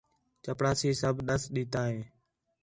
چپڑاسی سب ݙَس ݙِتّا ہے